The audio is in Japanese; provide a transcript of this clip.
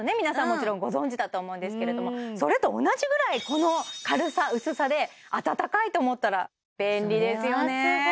皆さんもちろんご存じだと思うんですけれどもそれと同じぐらいこの軽さ薄さであたたかいと思ったら便利ですよね